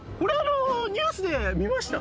ニュースで見ました。